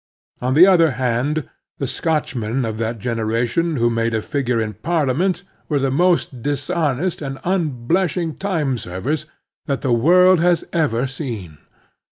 On the other hand, the Scotchmen of that generation who made a figure in Parliament were the most dis honest and unblushing time servers that the world has ever seen.